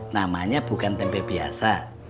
namanya bukan tempe biasa